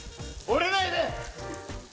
折れないで！